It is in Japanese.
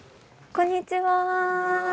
・こんにちは。